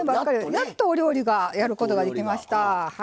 やっとお料理やることができました。